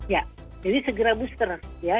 ya jadi segera booster ya